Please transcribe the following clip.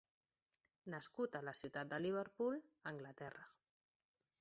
Nascut a la ciutat de Liverpool, Anglaterra.